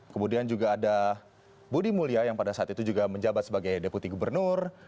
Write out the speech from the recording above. kemudian juga ada budi mulya yang pada saat itu juga menjabat sebagai deputi gubernur